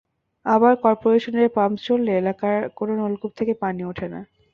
আবার করপোরেশনের পাম্প চললে এলাকার কোনো নলকূপ থেকেই পানি ওঠে না।